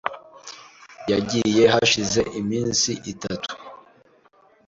Yagiye hashize iminsi itatu .